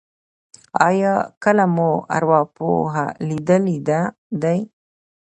ایا کله مو ارواپوه لیدلی دی؟